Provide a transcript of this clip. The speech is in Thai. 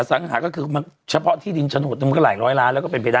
สังหาก็คือเฉพาะที่ดินฉนดนึงมันก็หลายร้อยล้านแล้วก็เป็นไปได้